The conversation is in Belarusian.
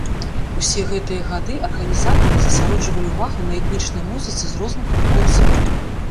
Усе гэтыя гады арганізатары засяроджвалі ўвагу на этнічнай музыцы з розных куткоў свету.